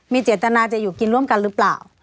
เจตนาจะอยู่กินร่วมกันหรือเปล่า